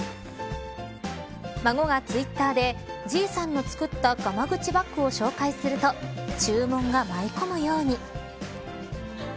孫がツイッターでＧ３の作ったがま口バッグを紹介すると注文が舞い込むように。